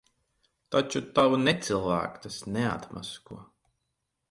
Taču tavu necilvēku tas neatmasko.